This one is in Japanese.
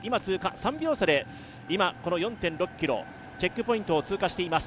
３秒差で４．６ｋｍ、チェックポイントを通過しています。